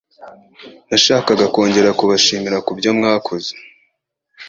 Nashakaga kongera kubashimira ku byo mwakoze.